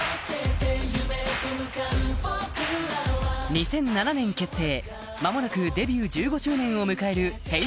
２００７ 年結成間もなくデビュー１５周年を迎える Ｈｅｙ！